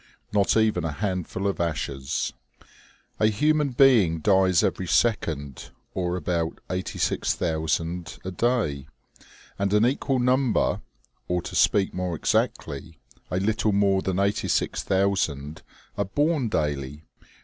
Not even a handful of ashes. A human being dies every second, or about 86,000 a day, and an equal number, or to speak more exactly, a little more than 86,000 are born daily.